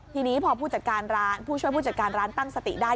ทีนี้พอผู้ช่วยผู้จัดการร้านตั้งสติได้